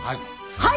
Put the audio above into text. はい！？